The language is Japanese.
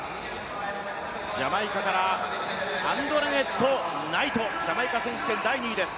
ジャマイカからアンドレネット・ナイト、ジャマイカ選手権第２位です。